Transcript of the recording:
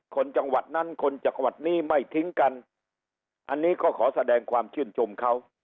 จังหวัดนั้นคนจังหวัดนี้ไม่ทิ้งกันอันนี้ก็ขอแสดงความชื่นชมเขา